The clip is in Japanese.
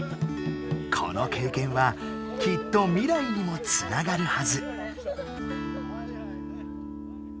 この経験はきっと未来にもつながるはず。